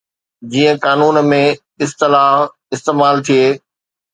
جيئن قانون ۾ اصطلاح استعمال ٿئي.